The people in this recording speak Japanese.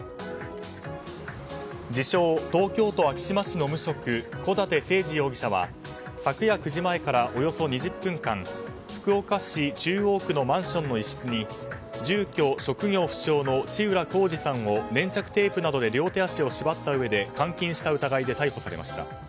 自称、東京都昭島市の無職小舘誠治容疑者は昨夜９時前からおよそ２０分間、福岡市中央区のマンションの一室に住居・職業不詳の知浦幸司さんを粘着テープなどで両手足を縛って監禁した疑いで逮捕されました。